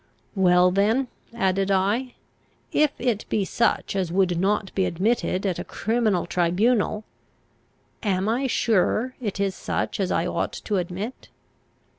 Well then, added I, if it be such as would not be admitted at a criminal tribunal, am I sure it is such as I ought to admit?